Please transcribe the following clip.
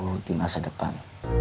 calon istri aku di masa depan